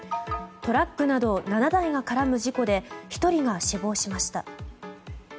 トラックなど７台が絡む事故で１人が死亡しました。